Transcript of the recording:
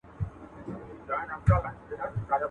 د دوست سره دوستي، د ښمن سره مدارا.